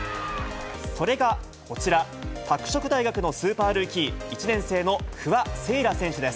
それがこちら、拓殖大学のスーパールーキー、１年生の不破聖衣来選手です。